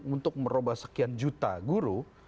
untuk merubah sekian juta guru